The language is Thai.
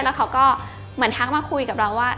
แล้วเขาก็เหมือนทักมาคุยกับเราว่า